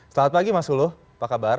selamat pagi mas ulu apa kabar